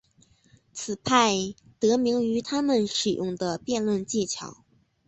此派得名于他们使用的辩论技巧。